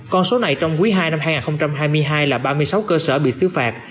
con số này trong quý ii năm hai nghìn hai mươi hai là ba mươi sáu cơ sở bị xử phạt